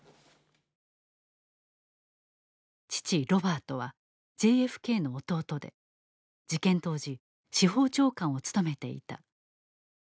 父ロバートはＪＦＫの弟で事件当時司法長官を務めていた。